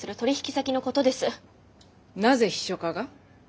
なぜ秘書課が？